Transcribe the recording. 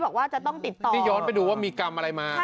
กลางที่ย้อนไปดูว่ามีกรรมอะไรมา